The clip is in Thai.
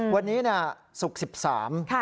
วันนี้นี่ศุกร์๑๓